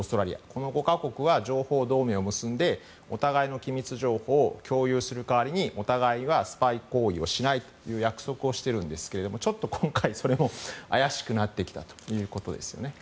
この５か国は情報同盟を結んでお互いの機密情報を共有する代わりに、お互いがスパイ行為をしないという約束をしているんですがちょっと今回、怪しくなってきたということですね。